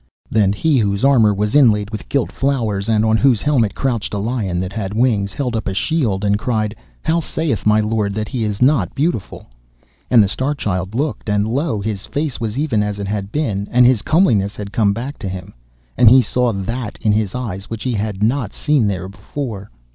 Then he, whose armour was inlaid with gilt flowers, and on whose helmet crouched a lion that had wings, held up a shield, and cried, 'How saith my lord that he is not beautiful?' And the Star Child looked, and lo! his face was even as it had been, and his comeliness had come back to him, and he saw that in his eyes which he had not seen there before.